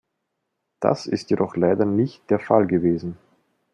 Das ist jedoch leider nicht der Fall gewesen.